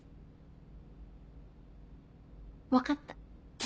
分かった。